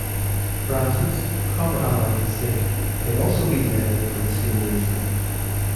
Brasses (copper alloyed with zinc) may also be leaded for the same reason.